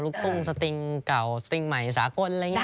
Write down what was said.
ลูกภูมิสตริงเก่าสตริงใหม่สากลอะไรอย่างนี้ครับ